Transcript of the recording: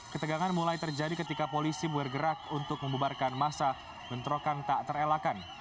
ketegangan mulai terjadi ketika polisi bergerak untuk membubarkan masa bentrokan tak terelakkan